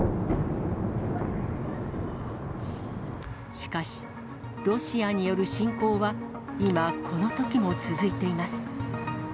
しかし、ロシアによる侵攻は、今、このときも続いています。